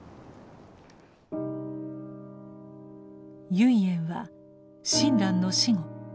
唯円は親鸞の死後